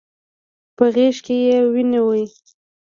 په غېږ کې يې ونيو.